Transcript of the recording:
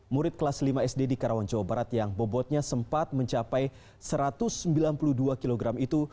murid kelas lima sd di karawang jawa barat yang bobotnya sempat mencapai satu ratus sembilan puluh dua kg itu